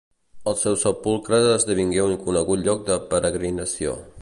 El seu sepulcre esdevingué un conegut lloc de peregrinació.